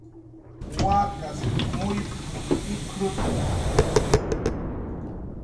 "Wakas muyp""r ikrutna"